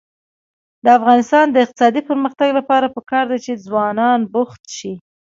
د افغانستان د اقتصادي پرمختګ لپاره پکار ده چې ځوانان بوخت شي.